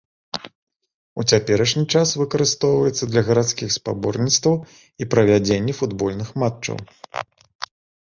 У цяперашні час выкарыстоўваецца для гарадскіх спаборніцтваў і правядзенні футбольных матчаў.